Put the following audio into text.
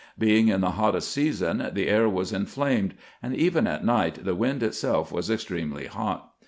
Being in the hottest season, the air was inflamed ; and even at night the wind itself was extremely hot.